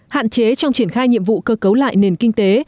hạn chế trong triển khai nhiệm vụ cơ cấu lại nền kinh tế